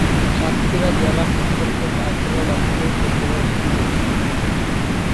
সাতক্ষীরা জেলা football coach আকবরের মাধ্যমেই ফুটবলের হাতেখড়ি।